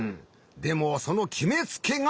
でもそのきめつけが。